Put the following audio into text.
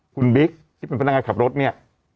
คุณบิ๊กที่เป็นพนักงานขับรถเนี่ย